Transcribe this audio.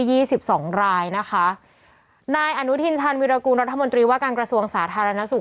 สิบสองรายนะคะนายอนุทินชาญวิรากูลรัฐมนตรีว่าการกระทรวงสาธารณสุข